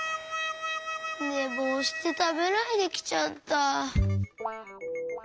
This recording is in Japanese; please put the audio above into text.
ねぼうしてたべないできちゃった。